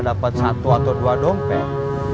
dapat satu atau dua dompet